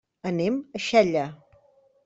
Anem a Xella.